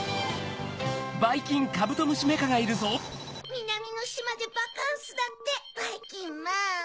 みなみのしまでバカンスだってばいきんまん。